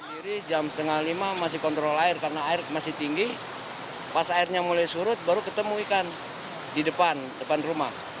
yang ketiga di sini di jalur ke perempatan itu juga arus masih kencang